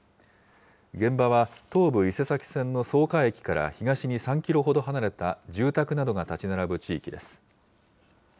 現場は東武伊勢崎線の草加駅から東に３キロほど離れた住宅などが建ち並ぶ地域です。